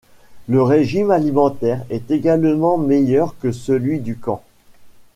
Le régime alimentaire est également meilleur que celui du camp.